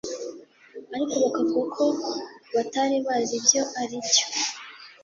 ariko bakavuga ko batari bazi ibyo ari byo